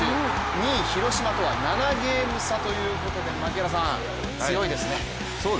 ２位・広島とは７ゲーム差ということで槙原さん、強いですね。